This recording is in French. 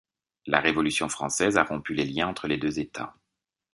La Révolution française a rompu les liens entre les deux États.